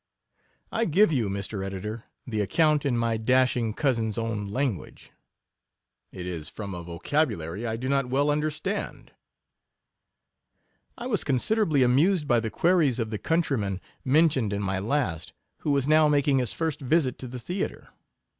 I give you, Mr. Editor, the account in my dashing cousin's Ill own language, [t is from a vocabulary I do not well understand, I was considerably amused by the queries of the countryman mentioned in my last, who was now making his first visit to the theatre.